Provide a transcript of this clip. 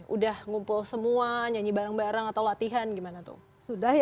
udah ngumpul semua nyanyi bareng bareng atau latihan gimana tuh